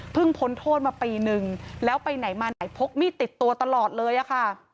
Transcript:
พ้นโทษมาปีนึงแล้วไปไหนมาไหนพกมีดติดตัวตลอดเลยอะค่ะ